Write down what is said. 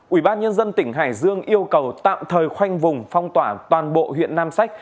ủy ban nhân dân tỉnh hải dương yêu cầu tạm thời khoanh vùng phong tỏa toàn bộ huyện nam sách